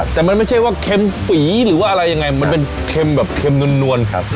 แต่มันไม่ใช่ว่าเค็มฝีหรือว่าอะไรยังไงมันเป็นเค็มแบบเค็มนวลครับ